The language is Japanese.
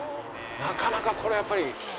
なかなかこれやっぱり。